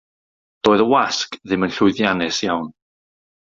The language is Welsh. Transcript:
Doedd y wasg ddim yn llwyddiannus iawn.